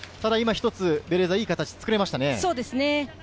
一つベレーザ、いい形が作れましたね。